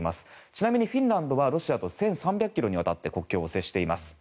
ちなみにフィンランドはロシアと１３００ｋｍにわたって国境を接しています。